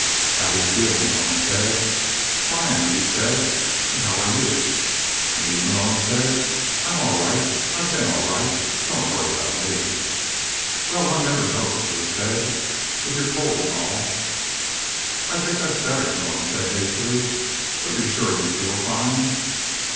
"How do you feel?" Malone said. "Fine," Lou said. "And how are you?" "Me?" Malone said. "I'm all right. I've been all right. Don't worry about me." "Well, one never knows," Lou said. "With your cold and all." "I think that's better," Malone said hastily. "But you're sure you feel fine?"